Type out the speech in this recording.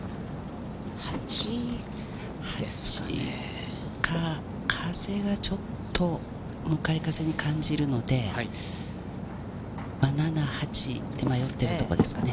８か、風がちょっと、向かい風に感じるので、７、８で迷っているところですかね。